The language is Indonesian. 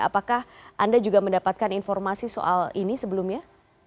apakah anda juga mendapatkan informasi soal ini sebelumnya